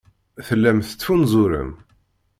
Tellam tettfunzurem.